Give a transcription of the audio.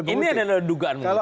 ini adalah dugaan mengutipnya